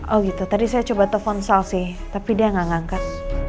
oh gitu tadi saya coba telfon sal sih tapi dia gak ngangkat